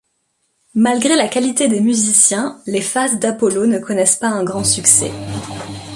Malgré la qualité des musiciens, les faces d'Apollo ne connaissent pas un grand succès.